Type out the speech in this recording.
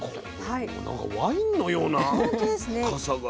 これなんかワインのような深さが。